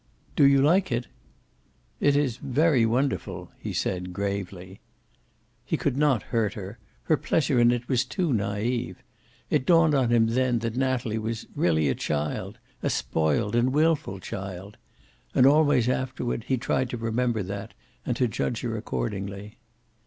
"Do you like it?" "It is very wonderful," he said, gravely. He could not hurt her. Her pleasure in it was too naive. It dawned on him then that Natalie was really a child, a spoiled and wilful child. And always afterward he tried to remember that, and to judge her accordingly.